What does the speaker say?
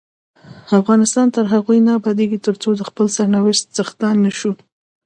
افغانستان تر هغو نه ابادیږي، ترڅو د خپل سرنوشت څښتنان نشو.